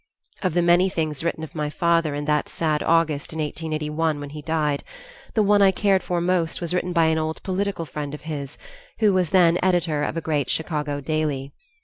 Of the many things written of my father in that sad August in 1881, when he died, the one I cared for most was written by an old political friend of his who was then editor of a great Chicago daily.